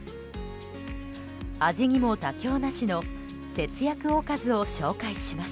味にも妥協なしの節約おかずを紹介します。